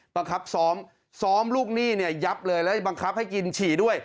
บังคับซ้อมซ้อมลูกหนี้เนี่ยยับเลยแล้วบังคับให้กินฉี่ด้วย